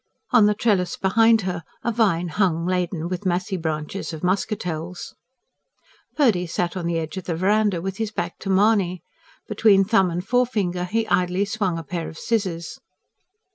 On the trellis behind her a vine hung laden with massy bunches of muscatelles. Purdy sat on the edge of the verandah, with his back to Mahony. Between thumb and forefinger he idly swung a pair of scissors.